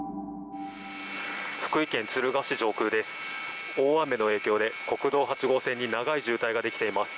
福井県敦賀市上空です。